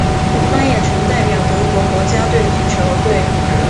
他也曾代表德国国家足球队。